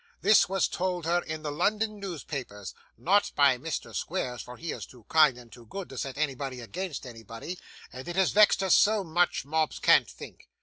This was told her in the London newspapers not by Mr. Squeers, for he is too kind and too good to set anybody against anybody and it has vexed her so much, Mobbs can't think.